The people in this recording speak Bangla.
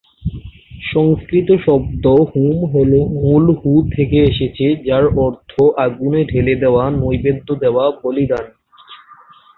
সংস্কৃত শব্দ হোম হল মূল হু থেকে এসেছে, যার অর্থ "আগুনে ঢেলে দেওয়া, নৈবেদ্য দেওয়া, বলিদান"।